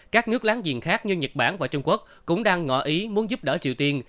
các nước láng giềng khác như nhật bản và trung quốc cũng đang ngọ ý muốn giúp đỡ triều tiên